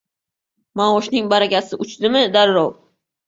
Maoshning barakasi uchdimi, darrov